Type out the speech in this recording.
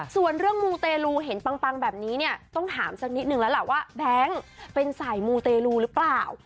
ส่วนเรื่องมูเตลูเห็นปังแบบนี้เนี่ยต้องถามสักนิดนึงแล้วล่ะว่าแบงค์เป็นสายมูเตรลูหรือเปล่า